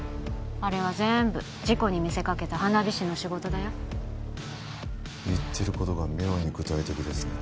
あれは全部事故に見せかけた花火師の仕事だよ言ってることが妙に具体的ですね